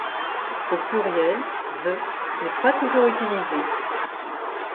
Au pluriel the n'est pas toujours utilisé.